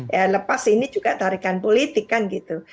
ya lepas ini juga tarikan politik kan gitu